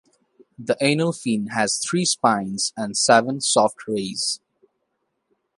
The anal fin has three spines and seven soft rays.